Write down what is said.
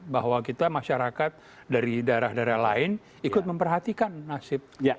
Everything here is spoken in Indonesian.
bahwa kita masyarakat dari daerah daerah lain ikut memperhatikan nasib